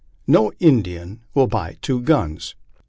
No Indian will buy two guns.